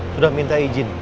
sudah minta izin